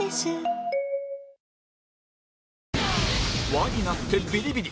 輪になってビリビリ